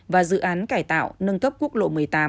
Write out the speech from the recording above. và dự án cải tạo nâng cấp quốc lộ một mươi tám